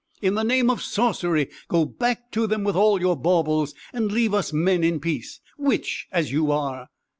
In the name of sorcery, go back to them with all your baubles, and leave us men in peace, witch as you are!"